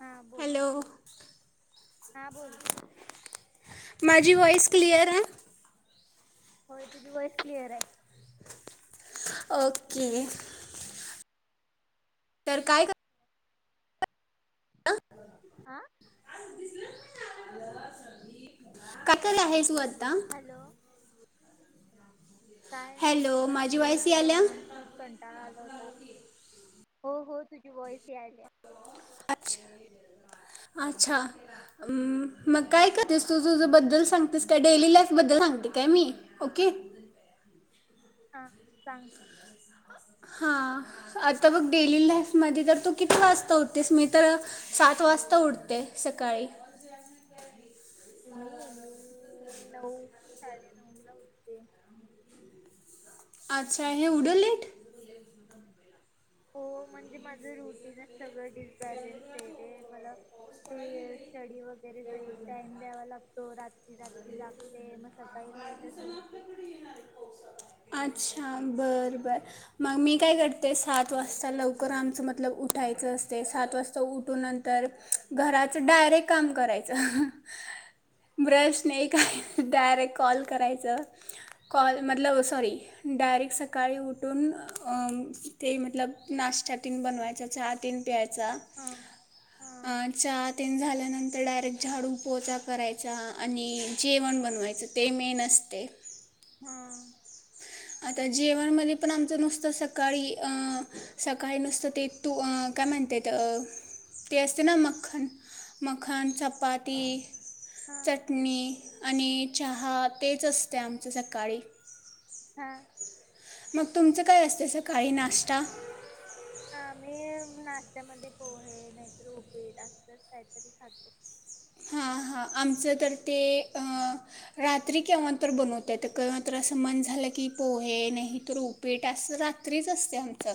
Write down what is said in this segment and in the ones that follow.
हा बोल हा बोल. माझी व्हॉइस क्लिअर हा. तुझी व्हॉइस क्लिअर आहे. ओके! तर काय क. आं! कातल आहे सुवत. हॅलो काय नाही बघ बसले होते नीवात खूप कंटाळा आला होता. हो तुझी व्हॉईस यायला. अच्छा अच्छा म मग काय करतेस तू तुझ बद्दल सांगतेस का डेली लाईफ बद्दल सांगते काय मी ओके. हा सांग? हा आता बघ डेली लाईफ मध्ये तर तू किती वाजता उठतेस, मी तर सात वाजता उठते सकाळी. मी नऊ. साडे नऊ ला उठते. अच्छा येवढं लेट हो म्हणजे माझ रुटीन सगळं डिसबॅलन्स आहे रे मला ते स्टडी वगैरे साठी टाइम द्यावा लागतो, रात्री रात्री लागते मग सकाळी लेट अच अच्छा बरं बरं मग मी काय करते सात वाजता लवकर आमचं मतलब उठायचं असते, सात वाजता उठून नंतर घराचं डायरेक्ट काम करायचं ब्रश नाही काय डायरेक्ट कॉल करायच कॉल मतलब सॉरी डायरेक्ट सकाळी उठून अ ते मतलब नाशत्यातीन बनवायच चहा तीन प्या चा चहा ते न झाल्यानं. तर डायरेक्ट झाडू पोचा करायचा आणि जेवण बनवायचं ते. मेन असते. हं! आता जेवणमध्ये पण आमचं नुसतं सकाळी आ सकाळी नुसतं ते तू काय म्हणत ते असते ना मखन मखन चपाती. चटणी आणि चहा. तेच असते आमच सकाळी. ह मग तुमचं काय असतय सकाळी नाश्ता? आम्ही नास्ट्यामध्ये पोहे नाहीतर उपीट असंच काहीतरी खातो. हा हा आमचं तर ते अ रात्री केव्हा तर बनवतात केव्हा तर असं मन झालं की पोहे नही तर उपीट अस रात्रीच असते आमचं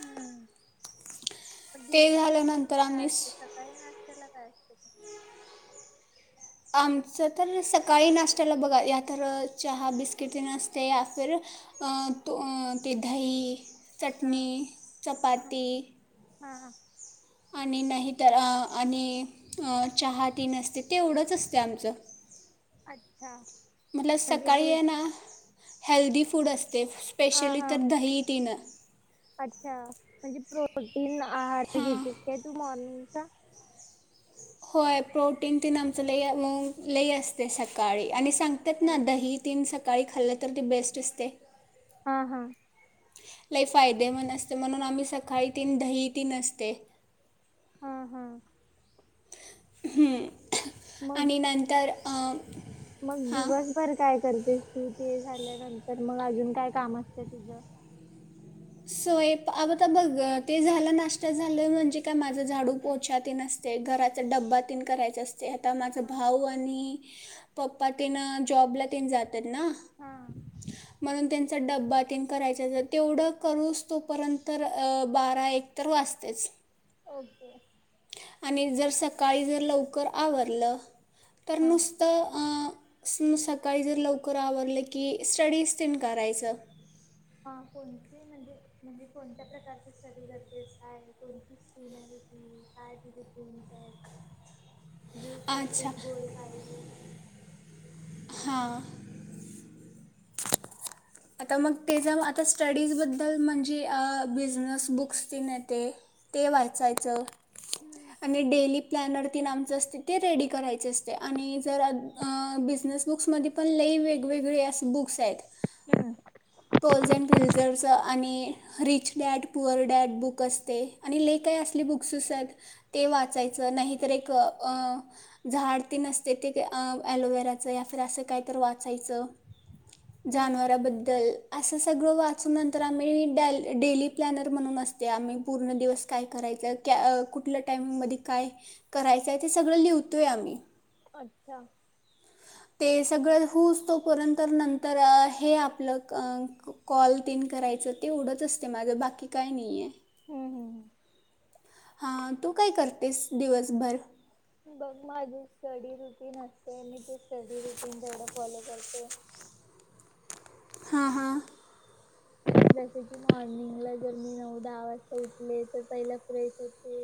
हं पण दिवसा तुम मग काय असते सकाळी नाश्याला काय असत मग आमचं तर सकाळी नाशत्याला बघा या तर चहा बिस्किट तेन असतय या तर फिर तो ती दही चटणी चपाती हा आणि नाही तर आणि चहा तीन असते तेवढंच असतय आमचं मतलब सकाळी ये ना हेल्दी फूड अस ते स्पेशली तर दही तीन प्रोटीन ना आहार घेतस काय तू मॉर्निंग का? होय प्रोटीन तेन आमचं लई मंग लई असतय सकाळी आणि सांगत्यात ना दही तीन सक सकाळी खाल्लं तर ती बेस्ट असते. हा हा लई फायदेमंद असते म्हणून आम्ही सकाळी तीन दही तीन असते. आहा हूं आणि नंतर मग दिवसभर काय कर तेस तू ते झाल्यानंतर मग अजून काय काम असतय तुझ सोय अग आता बघ ते झालं नाश्त झालं म्हणजे काय माझं झाडू पोछा तीन असतय घराचा डब्बा तीन करायचं अस आता माझा भाऊ आणि पप्पा तेन जॉबला तेन जात त्यात ना म्हणून त्यानं डब्बा तीन करायचय तेवढं करूस तोपर्यंतरं बारा एक तर वाजतेयच ओके आणि जर सकाळी जर लवकर आवरलं तर नुसतं अं सकाळी जर लवकर आवरडलं की स्टडीज तेन करायचं हा कोणती म्हणजे म्हणजे कोणत्या प्रकारची स्टडी करतेस काय कोणती स्कीम आहे ती काय तुझे ड्रीम्स आहेत. तुझे सक्सेस गोल काय ये हां आता मग तेच्या आता स्टडीजबद्दल म्हणजे बिझनेस बुक्स तीन येते ते वाचायचं. आणि डेली प्लॅन्ड तीन आमचं असते ते रेडी करायच असते आणि जर अ बिझनेस बुक्समदे पण लई वेगवेगळे असे बुक्स आहेत. टोल्स अँड फील जरस आणि rich dad, poor dad book असते आणि लई काय असले बुक्सेस आयत वाचायचं नाहीतर एक अ झाडतीन असते ते ते अ ॲलोवेराचं या फिर असं काय तर वाचायचं. जानव बदल असं सगळं वाचून नंतर आम्ही डॅल डेली प्लॅनर म्हणून असते, आमी पूर्ण दिवस काय करायच, क्या अ कुठल्या टाइमिंग मदि काय करायचंय ते सगळ लिवतोय आमी अच्छा! ते सगळं होऊस तोपर्यंत नंतर अ हे आपलं कां कॉल तीन करायचं तेवडच असते माझं बाकी काय नई आय. हम्म हम्म हम्म हा तू काय करतेस दिवसभर? बघ माजी स्टडी रुट तेन असते मी ते स्टडी रुटीन तेवढं फॉलो करते. हा हा जसे की मॉर्निंगला जर मी नऊ दहा वाजता उठले तर पहिला फ्रेश होते,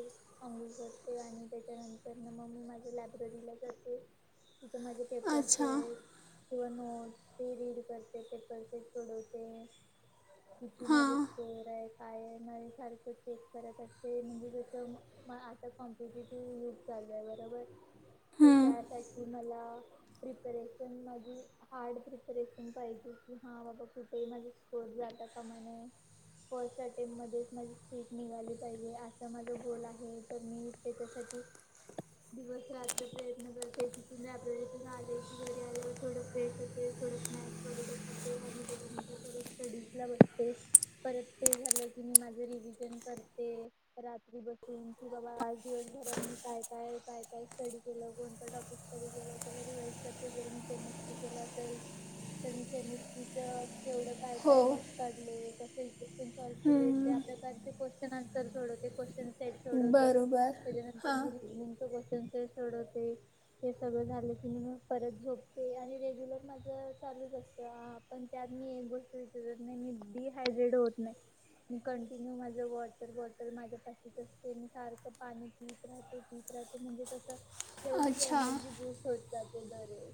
अंगूळ करते आणि त्याच्यानंतर न म मी माझ्या लायब्ररीला जाते. तित माझे पेपर ते किंवा नोटस् ते रीड करते, पेपर सेट सोडवते. किती माजे स्कोर आयत. काय नाय सारखं चेक करत असते म्हणजे जसं म मा आता कॉम्पिटेटिव्ह यूग चालू आय बरोबर ते त्यासाठी मला प्रिपरेशन माजी हार्ड प्रिपरेशन पाहिजे की हा बाबा कुठे माझी [unintelligible] जाता कामा नये, फर्स्ट अटेम मध्येच माझी सीट निघाली पाहिजे, असं माझ गोल आहे तर मी त्याच्यासाठी दिवस रात्र प्रयत्न करते, तिथून लायब्ररीतून आले की घरी आल्यावर थोड फ्रेश होते, थोड स्नॅक्स वगैरे खाते आणि त्याच्यानंतर परत स्टडीज ला बसते, परत ते झालं की मी माझ रिव्हीजन करते रात्री बसून कि बाबा आज दिवसभरात मी काय काय काय काय स्टडी केलं, कोणत टॉपिक स्टडी केलं त्याला रिवाईज करते जर मी केमिस्ट्री केलं असेल तर मी केमिस्ट्रीच केवड काय काय नोटस काढले, कस इक्वेशन सॉल्व केले, त्या प्रकारचे क्वेशन अंन्स तर सोडवते क्वशन बरोबर हा. सगळं झालं की मी म परत झोपते आणि रेग्युलर माझ चालूच असत आ पण त्यात मी एक गोश तस तर नई मी डिहायड्रेट होत नाही, मी कंटिन्यू माझ वॉटर बॉटल माझ्या पाशीच असते, मी सारखं पाणी पीत राहते, पीत राहते म्हणजे कसं तेवढीच एनर्जी बूस्ट होत जाते दरोज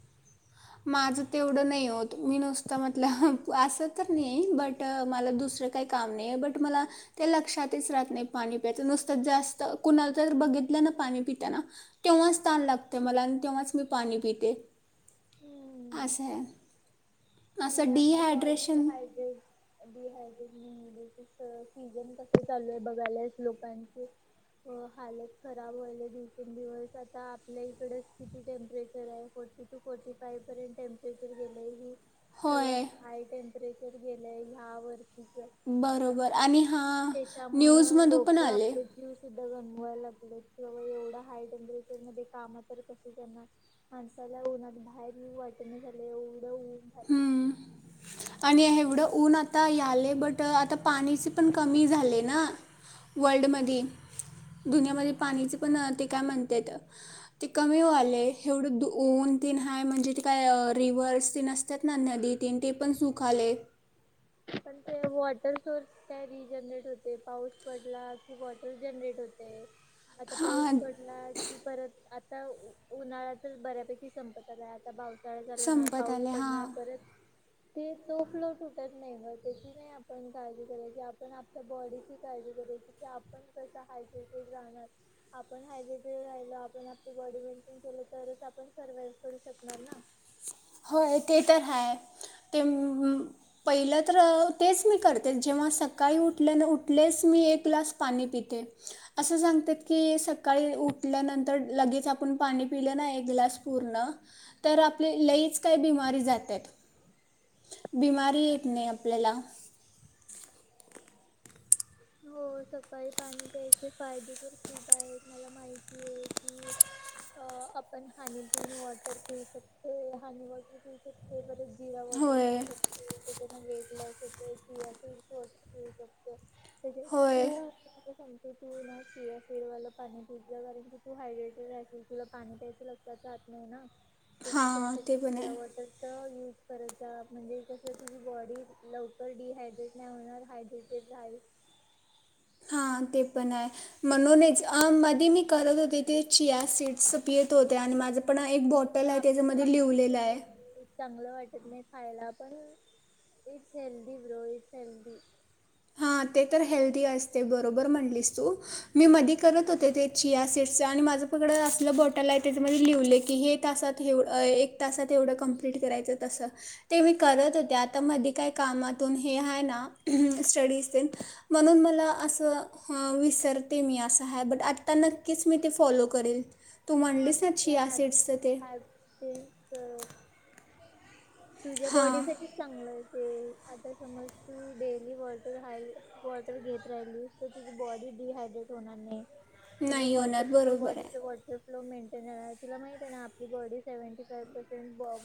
माझं ते एवढं नई होत मी नुसतं म्हटलं ह असं तर नई बट मला दुसरं काही काम नई, बट मला ते लक्षातच राहत नई पाणी प्याच नुसतं जास्त कुणाला तर बघितलं ना पाणी पिताना तेव्हाच ताण लागते मला आणि तेव्हाच मी पाणी पिते. अस आय. नई आपली बॉडी डीहायड्रेट डिहाय [unintelligible] सीझन कस चालू आहे बघायल्यास लोकांची अ हालत खराब व्हायल्या, दिवसेंदिवस आता आपल्या इकडेच किती टेम्परेचर आहे फोर्टी टू फोर्टी फाइव पर्यंत टेम्परेचर गेलेय ही सगळ्यात हाय टेम्परे चर गेलंय ह्या वर बरोबर आणि हा न्यूजमधून पण आले गरम व्हायला लागलंय एवढ हाय टेम्परेचर मध्ये काम तर करत असेल त्यांना माणसाला उनात बाहेर येऊ वाटण झालंय एवढ ऊन [inaudible] आणि एवढं ऊन आता याले बट आता पाणीची पण कमी झाले ना वर्ल्ड मधि दुनियामध्ये पाणीचे पण ते काय म्हणतेत ते कमी व्हायले एवढं ऊन तीनय म्हणजे ते काय रिव्हर्स ते नस त्यातन नदी तीन तेे पण सुखआले पण ते वॉटर सोर्स काय रिजनरेट होते पाऊस पडला की वॉटर जनरेट होते आता पाऊस पडला कि परत आत आता उन्हाळा तर बऱ्यापैकी संपत आला आहे आता पाव काय चालवणार पाऊस पडणार परत तेच तेच फ्लो तुटत नाही ग आपण काळजी करायची आपण आपल्या बॉडीची काळजी करायची क आपण कस हाय्रेड्रेटेड राहणार आपण हायड्रेटेड राहिल आपण आपली बॉडी मेन्टन केली तरच आपन सर्वाईव्ह करू शकणार ना होय ते तर हाय ते पहिलं तर तेच मी करते जेव्हा सकाळी उठल्यान उठलेच मी एक ग्लास पाणी पिते असं सांगतात की स सकाळी उठल्यानंतर लगेच आपण पाणी पिलं ना एक ग्लास पूर्ण तर आपली लईच काही बिमारी जात्यात बिमारी येत नाही आपल्याला हो सकाळी पाणी प्यायचे फायदे तर खूप आहेत मला माहिती आहे की आपण हानी पिऊन वॉटर पिऊ शकतो हानी वॉटर पिऊ शकतो ब जीरा वॉटर पिऊ शकतो त्याच्यातून वेट [unintelligible] सियासीड वॉटर पिऊ शकतो. [inaudible] तू न सियासीड वाल पाणी पित जा कारण की तू हायड्रेटेड राह तुला पाणी प्यायचं लक्षात राहत नाही ना त्यासाठी सिया वॉटर च यूज म्हणजे कस तुझी बॉडी लवकर डिहायड्रेट नाही होणार हायड्रेटेड राही ह ते पण आहे म्हणूनच मध्ये मी करत होते ते चियासीड पिेत होते आणि माझं आपण एक बॉटल आहे त्याच्यामध्ये लिवलेलं आहे मला वाटत नाही खायला पण इट्स हेल्दी ब्रा हेल्दी हां ते तर हेल्दी असते बरोबर म्हणलीस तू मी मधी करत होते ते चिया सिट्चं आणि माझं पकडं असलं बॉटल आहे त्याच्यामध्ये लिवले की हे तासात हेवं एक तासात एवढं कंप्लीट करायचं तसं ते मी करत होते आता मधी काय कामातून हे आहे ना स्टडीज म्हणून मला अस विसरते मी असं ह्याबीट आता नक्कीच मी ते फॉलो करील हा ते हॅबिट हबी च् तुझ्या बॉडी साठीच चांगलं आहे ते आता समज तू डेली वॉटरहाय वॉटर घेत राहिलस तर तुझी बॉडी डिहायड्रेट होणार नाही तुज वॉटर फ्लो बॉडीचे वॉटर मेंटेन तुला माहिती आहे ना आपली बॉडी सेव्हंटी फा्ह पर्सेंट बॉ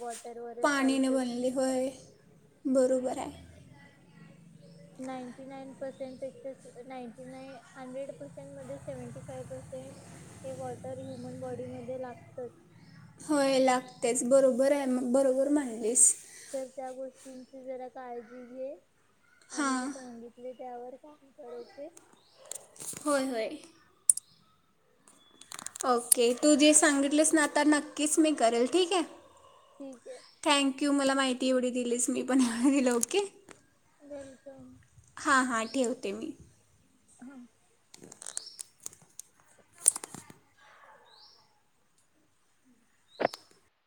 पाणीने बनली होय बरोबर आहे नायटीनाइन पर्सेंट पेक्षा नायटीनाइन पर्सेंट मध्ये सेवेंटीफाइव पर्सेंट हे वॉटर ह्युमन बॉडी मध्ये लागतच होय लागतेच बरोबर आहे मग बरोबर म्हणालीस तर त्या गोष्टींची जरा काळजी घे आणि मी सांगितले त्यावर काम करवते. होय होय ओके तू जे सांगितलेस ना आता नक्कीच मी करेल ठीक आहे. थँक यू मला माहिती एवढी दिलीस मी पण दिलं ओके [unintelligible] हा हां ठेवते मी. हं